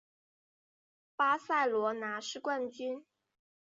巴塞隆拿是冠军。